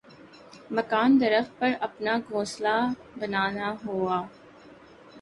مکان درخت پر اپنا گھونسلے بننا ہونا